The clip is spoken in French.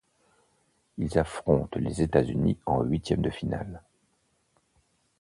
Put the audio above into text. Ils affrontent les États-Unis en huitième de finale.